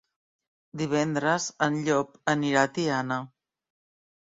Divendres en Llop anirà a Tiana.